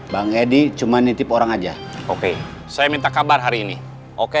bang edi cuma nitip orang aja oke saya minta kabar hari ini oke